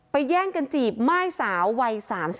แย่งกันจีบม่ายสาววัย๓๒